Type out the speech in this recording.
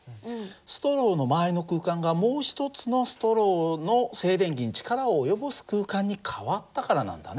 ストローの周りの空間がもう一つのストローの静電気に力を及ぼす空間に変わったからなんだね。